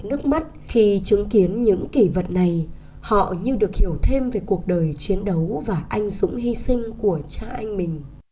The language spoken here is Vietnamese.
nước mắt khi chứng kiến những kỷ vật này họ như được hiểu thêm về cuộc đời chiến đấu và anh súng hy sinh của trại